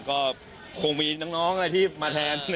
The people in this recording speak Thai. ก็คงมีน้องอะไรที่มาแทน